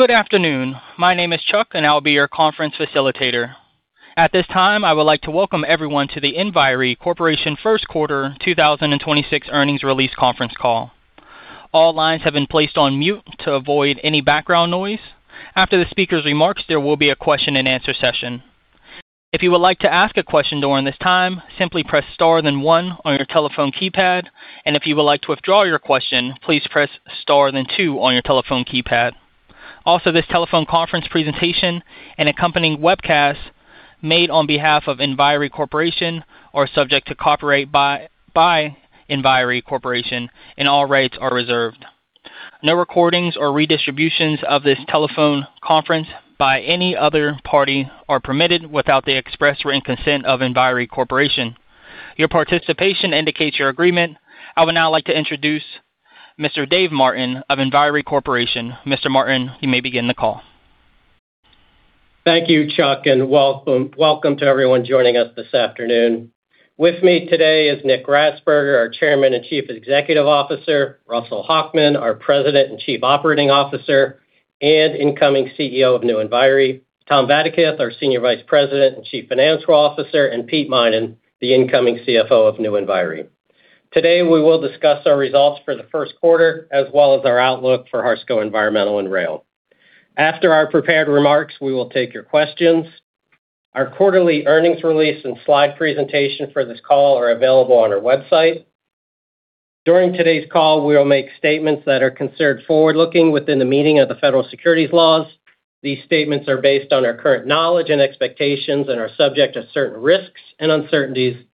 Good afternoon. My name is Chuck, and I'll be your conference facilitator. At this time, I would like to welcome everyone to the Enviri Corporation First Quarter 2026 Earnings Release Conference Call. All lines have been placed on mute to avoid any background noise. After the speaker's remarks, there will be a question-and-answer session. If you would like to ask a question during this time, simply press star then one on your telephone keypad. If you would like to withdraw your question, please press star then two on your telephone keypad. This telephone conference presentation and accompanying webcast made on behalf of Enviri Corporation are subject to copyright by Enviri Corporation, and all rights are reserved. No recordings or redistributions of this telephone conference by any other party are permitted without the express written consent of Enviri Corporation. Your participation indicates your agreement. I would now like to introduce Mr. David Martin of Enviri Corporation. Mr. Martin, you may begin the call. Thank you, Chuck, and welcome to everyone joining us this afternoon. With me today is Nick Grasberger, our Chairman and Chief Executive Officer; Russell Hochman, our President and Chief Operating Officer and incoming CEO of New Enviri; Tom Vadaketh, our Senior Vice President and Chief Financial Officer; and Pete Minan, the incoming CFO of New Enviri. Today, we will discuss our results for the first quarter as well as our outlook for Harsco Environmental and Rail. After our prepared remarks, we will take your questions. Our quarterly earnings release and slide presentation for this call are available on our website. During today's call, we will make statements that are considered forward-looking within the meaning of the federal securities laws. These statements are based on our current knowledge and expectations and are subject to certain risks and uncertainties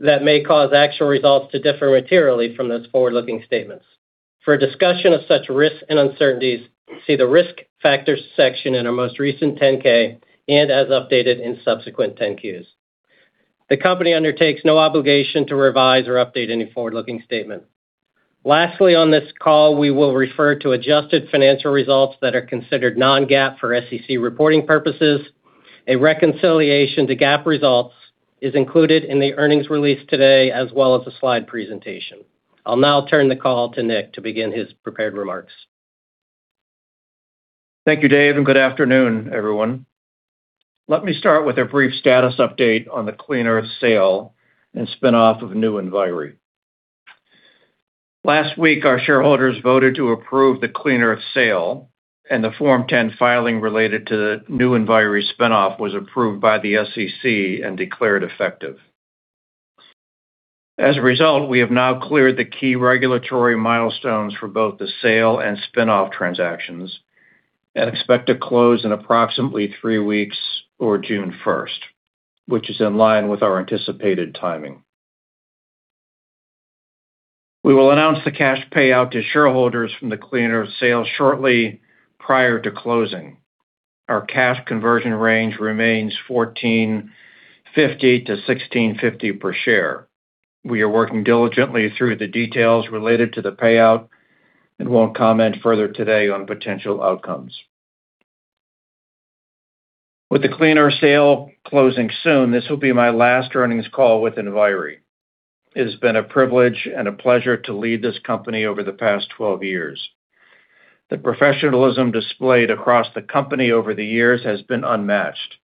that may cause actual results to differ materially from those forward-looking statements. For a discussion of such risks and uncertainties, see the Risk Factors section in our most recent 10-K and as updated in subsequent 10-Qs. The company undertakes no obligation to revise or update any forward-looking statement. Lastly, on this call, we will refer to adjusted financial results that are considered non-GAAP for SEC reporting purposes. A reconciliation to GAAP results is included in the earnings release today as well as the slide presentation. I'll now turn the call to Nick to begin his prepared remarks. Thank you, Dave, and good afternoon, everyone. Let me start with a brief status update on the Clean Earth sale and spin-off of New Enviri. Last week, our shareholders voted to approve the Clean Earth sale, and the Form 10 filing related to New Enviri spin-off was approved by the SEC and declared effective. As a result, we have now cleared the key regulatory milestones for both the sale and spin-off transactions and expect to close in approximately three weeks or June first, which is in line with our anticipated timing. We will announce the cash payout to shareholders from the Clean Earth sale shortly prior to closing. Our cash conversion range remains $14.50-$16.50 per share. We are working diligently through the details related to the payout and won't comment further today on potential outcomes. With the Clean Earth sale closing soon, this will be my last earnings call with Enviri. It has been a privilege and a pleasure to lead this company over the past 12 years. The professionalism displayed across the company over the years has been unmatched,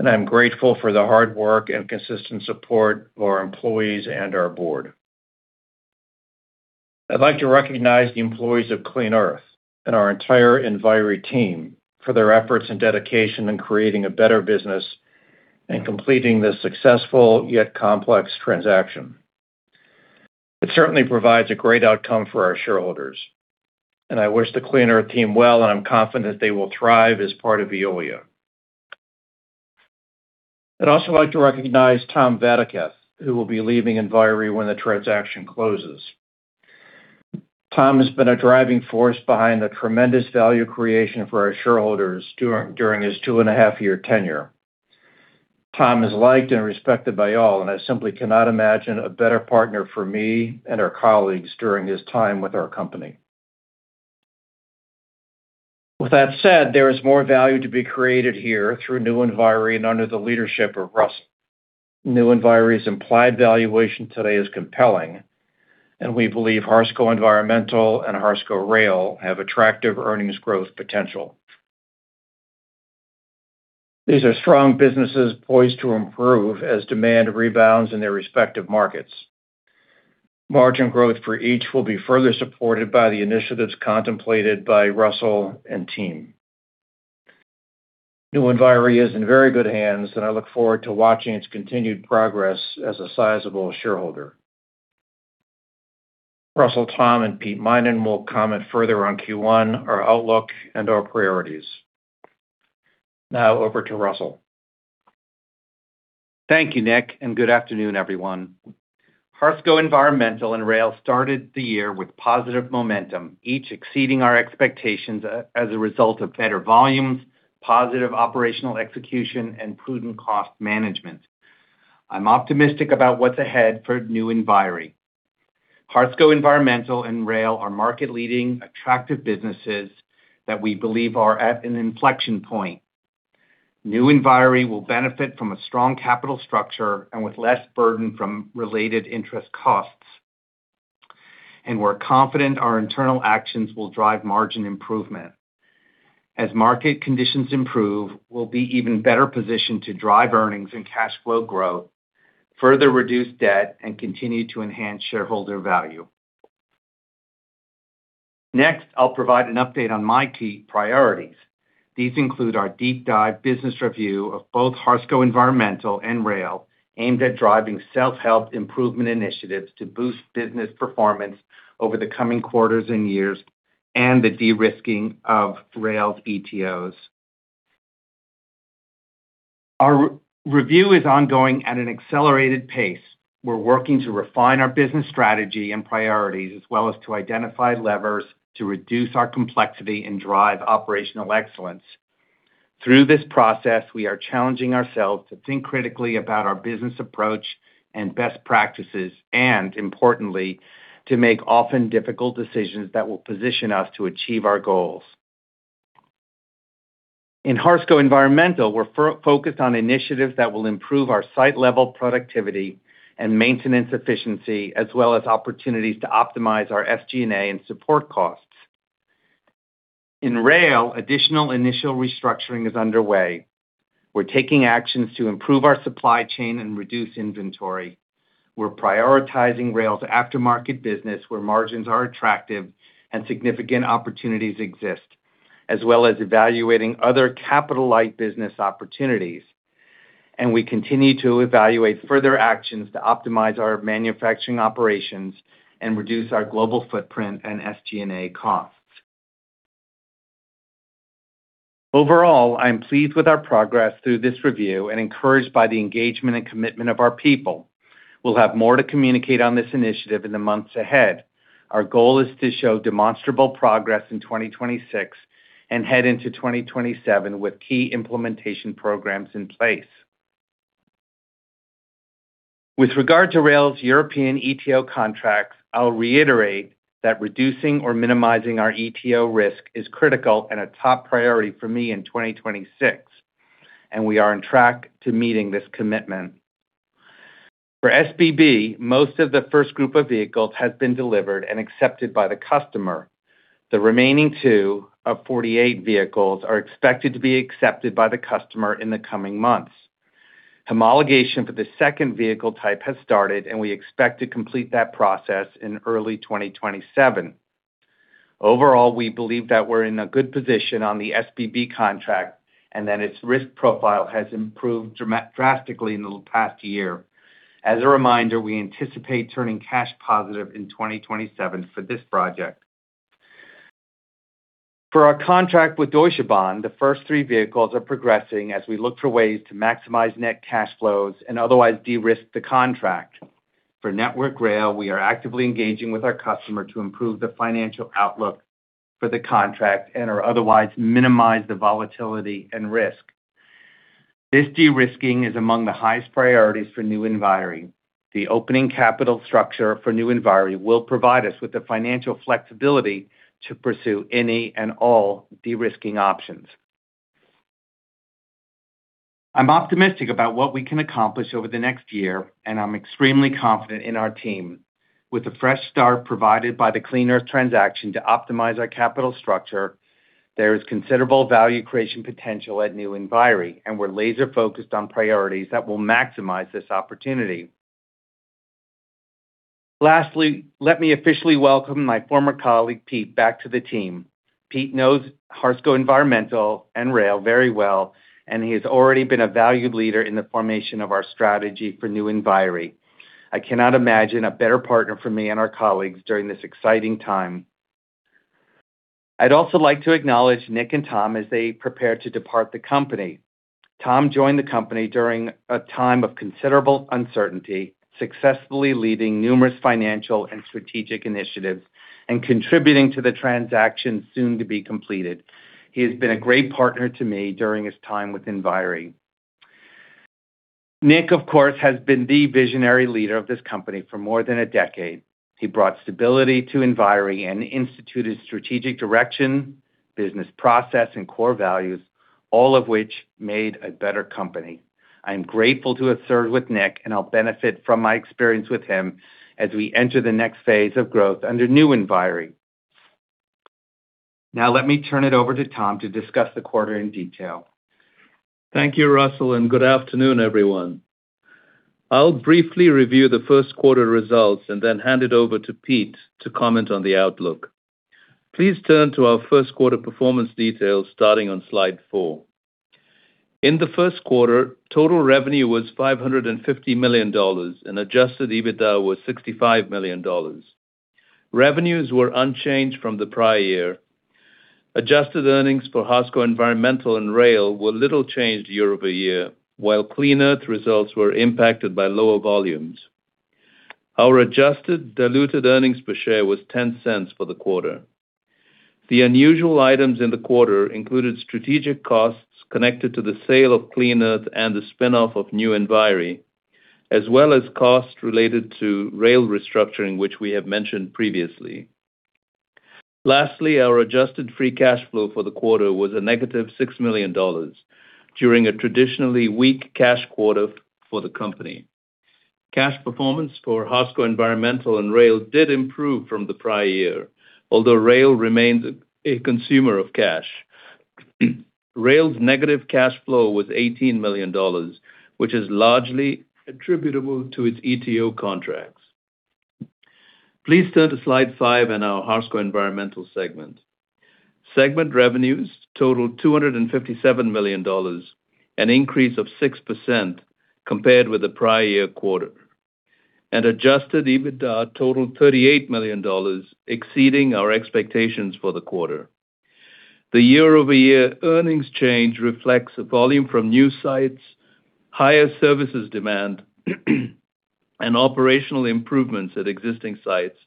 and I'm grateful for the hard work and consistent support of our employees and our board. I'd like to recognize the employees of Clean Earth and our entire Enviri team for their efforts and dedication in creating a better business and completing this successful yet complex transaction. It certainly provides a great outcome for our shareholders, and I wish the Clean Earth team well, and I'm confident they will thrive as part of Veolia. I'd also like to recognize Tom Vadaketh, who will be leaving Enviri when the transaction closes. Tom has been a driving force behind the tremendous value creation for our shareholders during his 2.5-year tenure. Tom is liked and respected by all. I simply cannot imagine a better partner for me and our colleagues during his time with our company. With that said, there is more value to be created here through New Enviri and under the leadership of Russell. New Enviri's implied valuation today is compelling, and we believe Harsco Environmental and Harsco Rail have attractive earnings growth potential. These are strong businesses poised to improve as demand rebounds in their respective markets. Margin growth for each will be further supported by the initiatives contemplated by Russell and team. New Enviri is in very good hands, and I look forward to watching its continued progress as a sizable shareholder. Russell, Tom, and Pete Minan will comment further on Q1, our outlook, and our priorities. Now over to Russell. Thank you, Nick, and good afternoon, everyone. Harsco Environmental and Rail started the year with positive momentum, each exceeding our expectations as a result of better volumes, positive operational execution, and prudent cost management. I'm optimistic about what's ahead for New Enviri. Harsco Environmental and Rail are market-leading, attractive businesses that we believe are at an inflection point. New Enviri will benefit from a strong capital structure and with less burden from related interest costs. We're confident our internal actions will drive margin improvement. As market conditions improve, we'll be even better positioned to drive earnings and cash flow growth, further reduce debt, and continue to enhance shareholder value. Next, I'll provide an update on my key priorities. These include our deep dive business review of both Harsco Environmental and Rail, aimed at driving self-help improvement initiatives to boost business performance over the coming quarters and years, and the de-risking of Rail's ETOs. Our re-review is ongoing at an accelerated pace. We're working to refine our business strategy and priorities, as well as to identify levers to reduce our complexity and drive operational excellence. Through this process, we are challenging ourselves to think critically about our business approach and best practices, and importantly, to make often difficult decisions that will position us to achieve our goals. In Harsco Environmental, we're focused on initiatives that will improve our site-level productivity and maintenance efficiency, as well as opportunities to optimize our SG&A and support costs. In Rail, additional initial restructuring is underway. We're taking actions to improve our supply chain and reduce inventory. We're prioritizing Rail's aftermarket business, where margins are attractive and significant opportunities exist, as well as evaluating other capital-light business opportunities. We continue to evaluate further actions to optimize our manufacturing operations and reduce our global footprint and SG&A costs. Overall, I am pleased with our progress through this review and encouraged by the engagement and commitment of our people. We'll have more to communicate on this initiative in the months ahead. Our goal is to show demonstrable progress in 2026 and head into 2027 with key implementation programs in place. With regard to Rail's European ETO contracts, I'll reiterate that reducing or minimizing our ETO risk is critical and a top priority for me in 2026, and we are on track to meeting this commitment. For SBB, most of the first group of vehicles has been delivered and accepted by the customer. The remaining two of 48 vehicles are expected to be accepted by the customer in the coming months. Homologation for the second vehicle type has started, and we expect to complete that process in early 2027. Overall, we believe that we're in a good position on the SBB contract and that its risk profile has improved dramatically in the past year. As a reminder, we anticipate turning cash positive in 2027 for this project. For our contract with Deutsche Bahn, the first three vehicles are progressing as we look for ways to maximize net cash flows and otherwise de-risk the contract. For Network Rail, we are actively engaging with our customer to improve the financial outlook for the contract and/or otherwise minimize the volatility and risk. This de-risking is among the highest priorities for New Enviri. The opening capital structure for New Enviri will provide us with the financial flexibility to pursue any and all de-risking options. I'm optimistic about what we can accomplish over the next year, and I'm extremely confident in our team. With the fresh start provided by the Clean Earth transaction to optimize our capital structure, there is considerable value creation potential at New Enviri, and we're laser-focused on priorities that will maximize this opportunity. Lastly, let me officially welcome my former colleague, Pete, back to the team. Pete Minan knows Harsco Environmental and Rail very well, and he has already been a valued leader in the formation of our strategy for New Enviri. I cannot imagine a better partner for me and our colleagues during this exciting time. I'd also like to acknowledge Nick and Tom as they prepare to depart the company. Tom joined the company during a time of considerable uncertainty, successfully leading numerous financial and strategic initiatives and contributing to the transaction soon to be completed. He has been a great partner to me during his time with Enviri. Nick, of course, has been the visionary leader of this company for more than a decade. He brought stability to Enviri and instituted strategic direction, business process, and core values, all of which made a better company. I am grateful to have served with Nick, and I'll benefit from my experience with him as we enter the next phase of growth under New Enviri. Let me turn it over to Tom to discuss the quarter in detail. Thank you, Russell. Good afternoon, everyone. I'll briefly review the first quarter results and then hand it over to Pete to comment on the outlook. Please turn to our first quarter performance details starting on slide four. In the first quarter, total revenue was $550 million and adjusted EBITDA was $65 million. Revenues were unchanged from the prior year. Adjusted earnings for Harsco Environmental and Rail were little changed year-over-year, while Clean Earth results were impacted by lower volumes. Our adjusted diluted earnings per share was $0.10 for the quarter. The unusual items in the quarter included strategic costs connected to the sale of Clean Earth and the spin-off of New Enviri, as well as costs related to Rail restructuring, which we have mentioned previously. Lastly, our adjusted free cash flow for the quarter was a negative $6 million during a traditionally weak cash quarter for the company. Cash performance for Harsco Environmental & Rail did improve from the prior year, although Rail remains a consumer of cash. Rail's negative cash flow was $18 million, which is largely attributable to its ETO contracts. Please turn to slide five in our Harsco Environmental segment. Segment revenues totaled $257 million, an increase of 6% compared with the prior year quarter. Adjusted EBITDA totaled $38 million, exceeding our expectations for the quarter. The year-over-year earnings change reflects volume from new sites, higher services demand, and operational improvements at existing sites,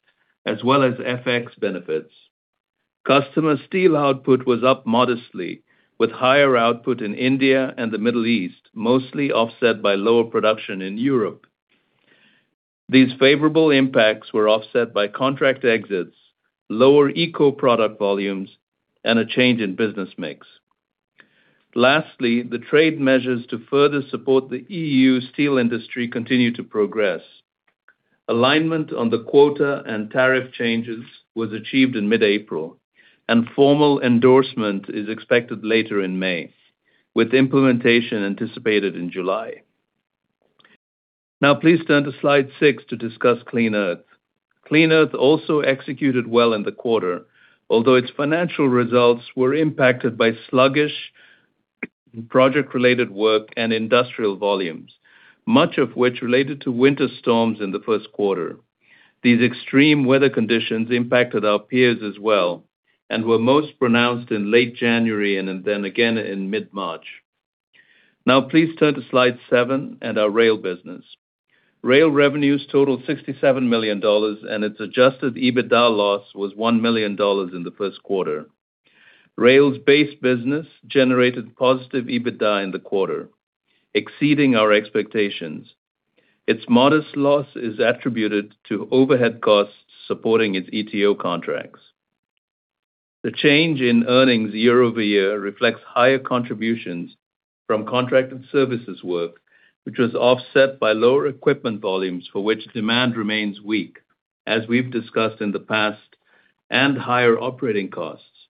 as well as FX benefits. Customer steel output was up modestly, with higher output in India and the Middle East, mostly offset by lower production in Europe. These favorable impacts were offset by contract exits, lower Eco product volumes, and a change in business mix. Lastly, the trade measures to further support the EU steel industry continue to progress. Alignment on the quota and tariff changes was achieved in mid-April, and formal endorsement is expected later in May, with implementation anticipated in July. Please turn to slide six to discuss Clean Earth. Clean Earth also executed well in the quarter, although its financial results were impacted by sluggish project-related work and industrial volumes, much of which related to winter storms in the first quarter. These extreme weather conditions impacted our peers as well and were most pronounced in late January and then again in mid-March. Please turn to slide seven and our Rail business. Rail revenues totaled $67 million, and its adjusted EBITDA loss was $1 million in the first quarter. Rail's base business generated positive EBITDA in the quarter, exceeding our expectations. Its modest loss is attributed to overhead costs supporting its ETO contracts. The change in earnings year-over-year reflects higher contributions from contract and services work, which was offset by lower equipment volumes for which demand remains weak, as we've discussed in the past, and higher operating costs.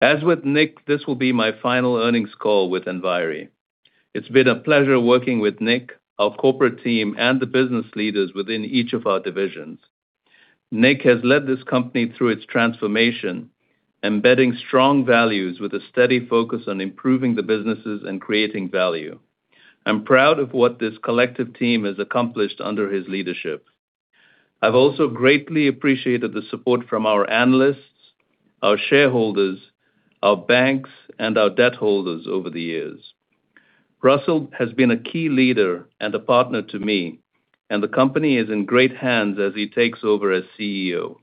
As with Nick, this will be my final earnings call with Enviri. It's been a pleasure working with Nick, our corporate team, and the business leaders within each of our divisions. Nick has led this company through its transformation, embedding strong values with a steady focus on improving the businesses and creating value. I'm proud of what this collective team has accomplished under his leadership. I've also greatly appreciated the support from our analysts, our shareholders, our banks, and our debt holders over the years. Russell has been a key leader and a partner to me, and the company is in great hands as he takes over as CEO.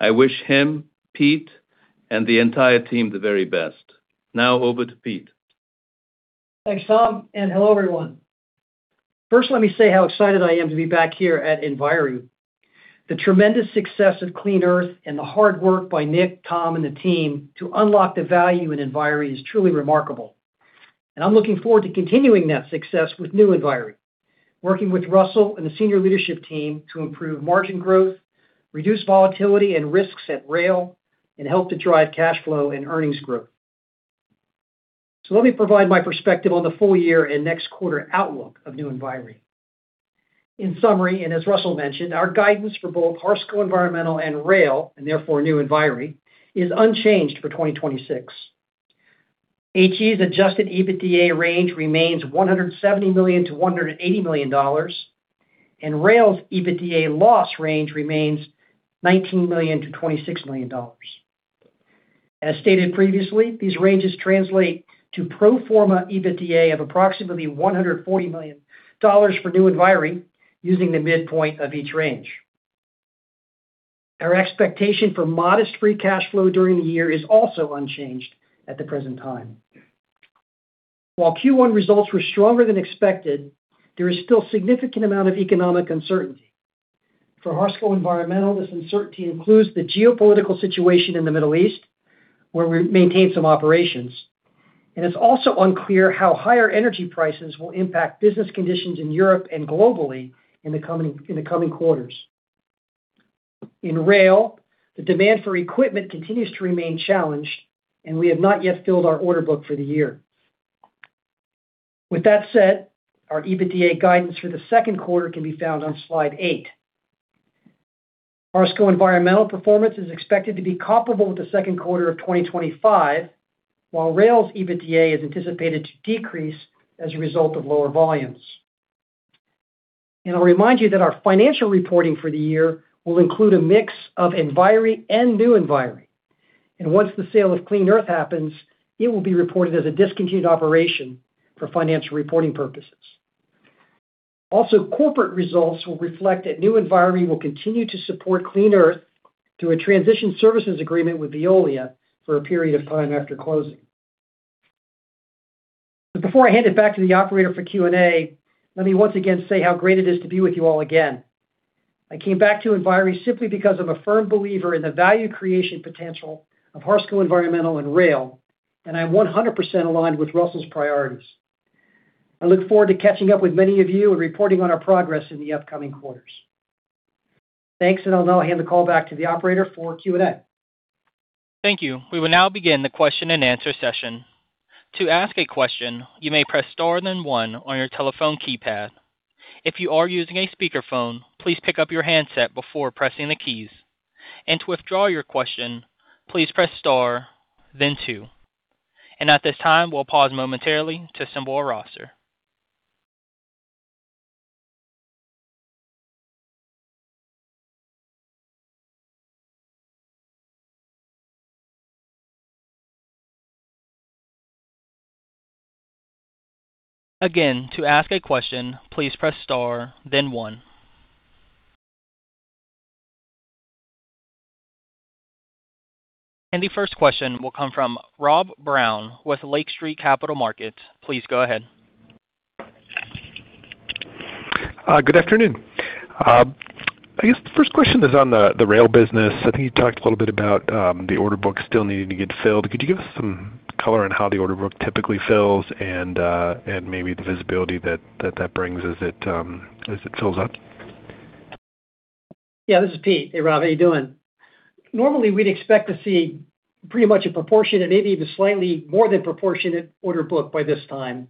I wish him, Pete, and the entire team the very best. Now over to Pete. Thanks, Tom, and hello, everyone. First, let me say how excited I am to be back here at Enviri. The tremendous success of Clean Earth and the hard work by Nick, Tom, and the team to unlock the value in Enviri is truly remarkable. I'm looking forward to continuing that success with New Enviri, working with Russell and the senior leadership team to improve margin growth, reduce volatility and risks at Rail, and help to drive cash flow and earnings growth. Let me provide my perspective on the full year and next quarter outlook of New Enviri. In summary, and as Russell mentioned, our guidance for both Harsco Environmental & Rail, and therefore New Enviri, is unchanged for 2026. HE's adjusted EBITDA range remains $170 million-$180 million, and Rail's EBITDA loss range remains $19 million-$26 million. As stated previously, these ranges translate to pro forma EBITDA of approximately $140 million for New Enviri using the midpoint of each range. Our expectation for modest free cash flow during the year is also unchanged at the present time. While Q1 results were stronger than expected, there is still significant amount of economic uncertainty. For Harsco Environmental, this uncertainty includes the geopolitical situation in the Middle East, where we maintain some operations. It's also unclear how higher energy prices will impact business conditions in Europe and globally in the coming quarters. In Rail, the demand for equipment continues to remain challenged, and we have not yet filled our order book for the year. With that said, our EBITDA guidance for the second quarter can be found on slide eight. Harsco Environmental performance is expected to be comparable with the second quarter of 2025, while Rail's EBITDA is anticipated to decrease as a result of lower volumes. I'll remind you that our financial reporting for the year will include a mix of Enviri and New Enviri. Once the sale of Clean Earth happens, it will be reported as a discontinued operation for financial reporting purposes. Also, corporate results will reflect that New Enviri will continue to support Clean Earth through a transition services agreement with Veolia for a period of time after closing. Before I hand it back to the operator for Q&A, let me once again say how great it is to be with you all again. I came back to Enviri simply because I'm a firm believer in the value creation potential of Harsco Environmental and Rail, and I'm 100% aligned with Russell's priorities. I look forward to catching up with many of you and reporting on our progress in the upcoming quarters. Thanks, and I'll now hand the call back to the operator for Q&A. Thank you. We will now begin the question-and-answer session. To ask a question, you may press star then one on your telephone keypad. If you are using a speakerphone, please pick up your handset before pressing the keys. To withdraw your question, please press star then two. At this time, we will pause momentarily to assemble our roster. Again, to ask a question, please press star then one. The first question will come from Rob Brown with Lake Street Capital Markets. Please go ahead. Good afternoon. I guess the first question is on the rail business. I think you talked a little bit about the order book still needing to get filled. Could you give us some color on how the order book typically fills and maybe the visibility that brings as it fills up? Yeah, this is Pete. Hey, Rob, how you doing? Normally, we'd expect to see pretty much a proportionate, maybe even slightly more than proportionate order book by this time.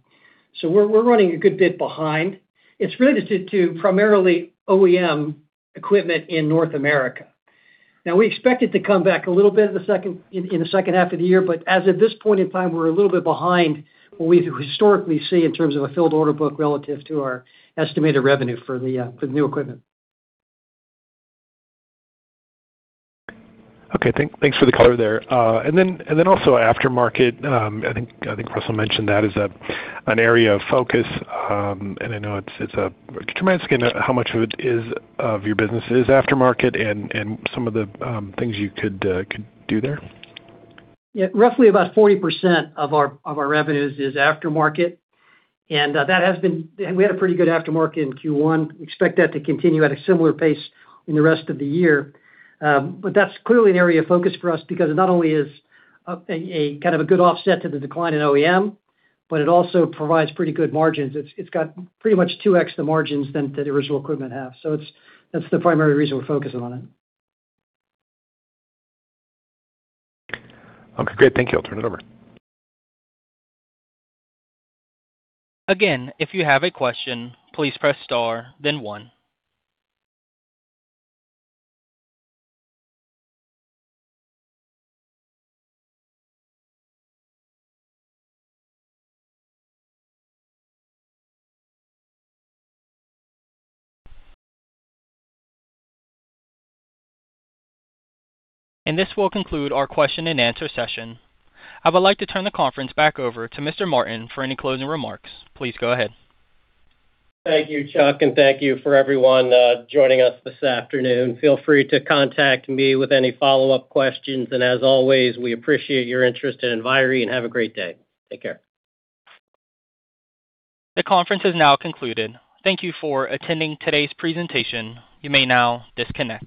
We're running a good bit behind. It's related to primarily OEM equipment in North America. Now, we expect it to come back a little bit in the second half of the year, as of this point in time, we're a little bit behind what we historically see in terms of a filled order book relative to our estimated revenue for the new equipment. Okay. Thank, thanks for the color there. Also aftermarket. I think Russell mentioned that as an area of focus. I know. Could you remind us again how much of it is, of your business is aftermarket and some of the things you could do there? Yeah. Roughly about 40% of our revenues is aftermarket, and We had a pretty good aftermarket in Q1. We expect that to continue at a similar pace in the rest of the year. That's clearly an area of focus for us because it not only is a kind of a good offset to the decline in OEM, but it also provides pretty good margins. It's got pretty much 2x the margins than the original equipment have. That's the primary reason we're focusing on it. Okay, great. Thank you. I'll turn it over. Again, if you have a question, please press star then one. This will conclude our question-and-answer session. I would like to turn the conference back over to Mr. Martin for any closing remarks. Please go ahead. Thank you, Chuck, and thank you for everyone joining us this afternoon. Feel free to contact me with any follow-up questions. As always, we appreciate your interest in Enviri, and have a great day. Take care. The conference has now concluded. Thank you for attending today's presentation. You may now disconnect.